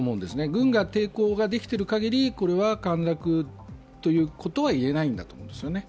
軍が抵抗ができている限り、これは陥落ということはいえないんだと思うんですね。